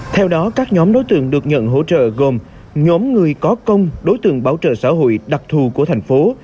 theo đó các nhóm đối tượng được nhận hỗ trợ gồm nhóm người có công đối tượng bảo trợ xã hội đặc thù của thành phố